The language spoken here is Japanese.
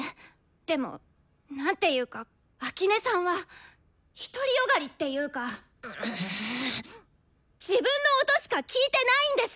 でもなんていうか秋音さんは独り善がりっていうか自分の音しか聴いてないんです！